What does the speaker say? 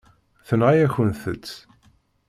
Tenɣa-yakent-t.